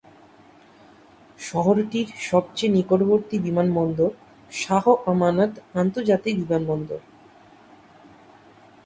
শহরটির সবচেয়ে নিকটবর্তী বিমানবন্দর শাহ আমানত আন্তর্জাতিক বিমানবন্দর।